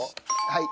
はい。